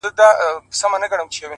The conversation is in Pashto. o هغه به اور له خپلو سترګو پرېولي؛